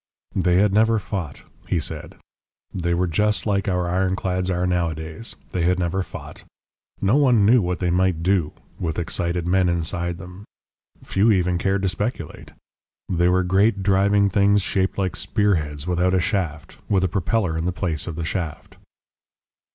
"They had never fought," he said. "They were just like our ironclads are nowadays; they had never fought. No one knew what they might do, with excited men inside them; few even cared to speculate. They were great driving things shaped like spearheads without a shaft, with a propeller in the place of the shaft."